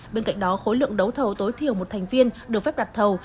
bên cạnh đó khối lượng đấu thầu tối thiểu một thành viên được phép đặt thầu